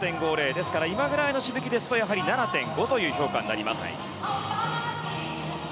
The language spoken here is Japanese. ですから今ぐらいのしぶきですと７．５という評価になります。